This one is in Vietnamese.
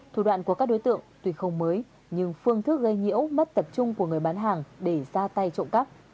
thủ đoạn của các đối tượng tuy không mới nhưng phương thức gây nhiễu mất tập trung của người bán hàng để ra tay trộm cắp